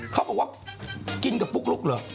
เขาบอกว่ากินกับปุ๊กลุ๊กเหรอ